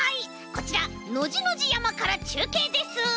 こちらノジノジやまからちゅうけいです。